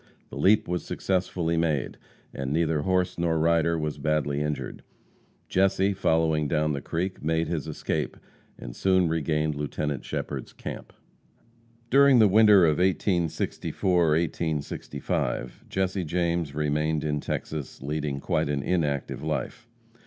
The leap was successfully made, and neither horse nor rider was badly injured. Jesse, following down the creek, made his escape, and soon regained Lieutenant Shepherd's camp. [Illustration: A Horrible Deed.] During the winter of 1864 5 Jesse James remained in Texas, leading quite an inactive life.